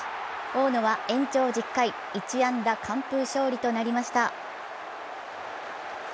大野は延長１０回、１安打完封勝利となりました。